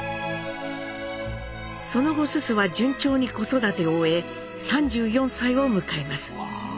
その後蘇蘇は順調に子育てを終え３４歳を迎えます。